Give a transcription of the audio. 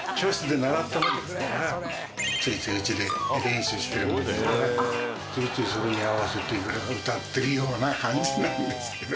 ついついうちで練習してるんでついついそれに合わせて歌ってるような感じなんですけど。